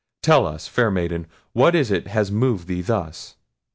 Tell us, fair maiden, what it is has moved thee thus?"